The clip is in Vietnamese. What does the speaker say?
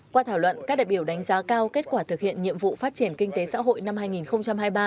qua thảo luận các đại biểu đánh giá cao kết quả thực hiện nhiệm vụ phát triển kinh tế xã hội năm hai nghìn hai mươi ba